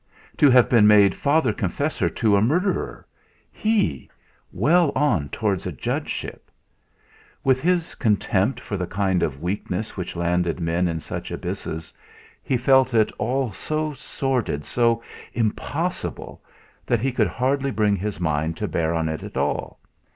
To have been made father confessor to a murderer, he well on towards a judgeship! With his contempt for the kind of weakness which landed men in such abysses, he felt it all so sordid, so "impossible," that he could hardly bring his mind to bear on it at all.